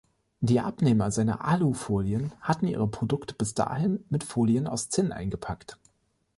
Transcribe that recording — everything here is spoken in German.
Die Abnehmer seiner Alu-Folien hatten ihre Produkte bis dahin mit Folien aus Zinn eingepackt.